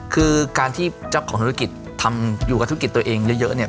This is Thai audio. คือการที่เจ้าของธุรกิจทำอยู่กับธุรกิจตัวเองเยอะเนี่ย